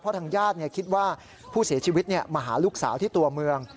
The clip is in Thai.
เพราะทางญาติเนี่ยคิดว่าผู้เสียชีวิตเนี่ยมาหาลูกสาวที่ตัวเมือง